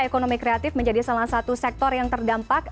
ekonomi kreatif menjadi salah satu sektor yang terdampak